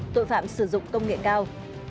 tội phạm sử dụng công nghệ cao